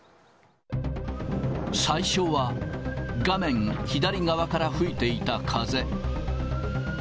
最初は画面左側から吹いていた風。